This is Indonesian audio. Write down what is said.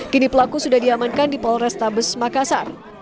kini pelaku sudah diamankan di polrestabes makassar